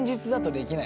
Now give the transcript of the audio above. できない。